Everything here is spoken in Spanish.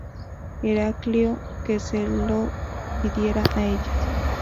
Heraclio que se lo pidiera a ellas.